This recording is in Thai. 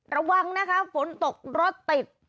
ระวังนะคะฝนตกรถติด